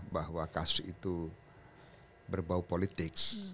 bahwa kasus itu berbau politik